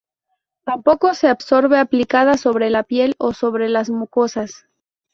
Tampoco se absorbe aplicada sobre la piel o sobre las mucosas.